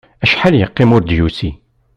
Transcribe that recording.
Acḥal yeqqim ur d-yusi?